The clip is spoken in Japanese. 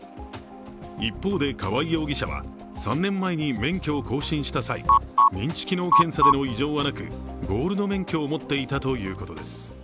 一方で、川合容疑者は３年前に免許を更新した際、認知機能検査での異常はなく、ゴールド免許を持っていたということです。